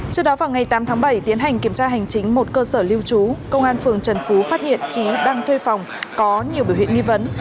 trước đó vào ngày tám tháng bảy tiến hành kiểm tra hành chính một cơ sở lưu trú công an phường trần phú phát hiện trí đang thuê phòng có nhiều biểu hiện nghi vấn